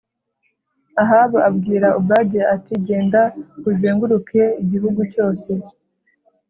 Ahabu abwira Obadiya ati genda uzenguruke igihugu cyose